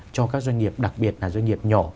cho các doanh nghiệp đặc biệt là doanh nghiệp nhỏ